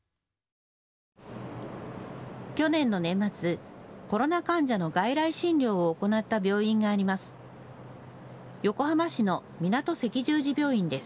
去年の年末、コロナ患者の外来診療を行った病院があります。